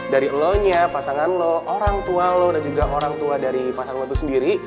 dari elonya pasangan lo orang tua lo dan juga orang tua dari pasangan lo itu sendiri